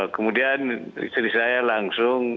kemudian istri saya langsung